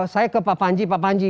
saya ke pak panci pak panci